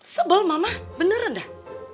sebol mama beneran dah